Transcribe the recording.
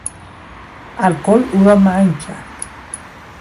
الکل او را منگ کرد.